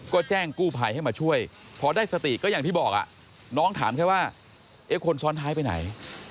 ก็แจ้งกู้ภัยให้มาช่วยพอได้สติก็อย่างที่บอกน้องถามแค่ว่าคนซ้อนท้ายไปไหน